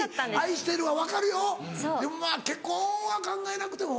愛してるは分かるよでも結婚は考えなくても。